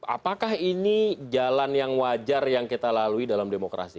apakah ini jalan yang wajar yang kita lalui dalam demokrasi